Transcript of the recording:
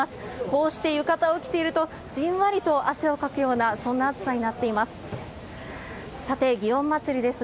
こうして浴衣を着ていると、じんわりと汗をかくような、そんな暑さになっています。